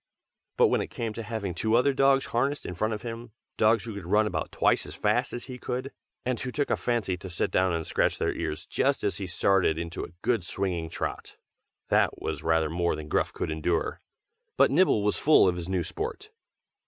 But when it came to having two other dogs harnessed in front of him, dogs who could run about twice as fast as he could, and who took a fancy to sit down and scratch their ears just as he had started into a good swinging trot that was rather more than Gruff could endure. But Nibble was full of his new sport.